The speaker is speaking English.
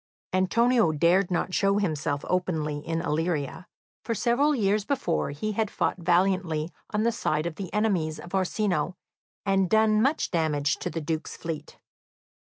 Antonio dared not show himself openly in Illyria, for several years before he had fought valiantly on the side of the enemies of Orsino, and done much damage to the Duke's fleet.